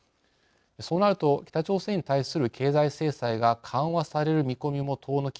そうなると北朝鮮に対する経済制裁が緩和される見込みも遠のき